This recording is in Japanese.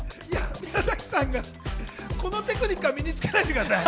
宮崎さん、このテクニックは身につけないでください。